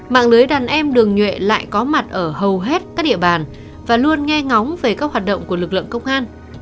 mạng lưới đàn em đường nhuệ lại có mặt ở hầu hết các địa bàn và luôn nghe ngóng về các hoạt động của lực lượng công an